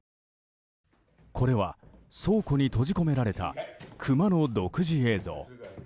これは倉庫に閉じ込められたクマの独自映像。